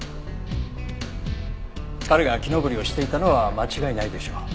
彼が木登りをしていたのは間違いないでしょう。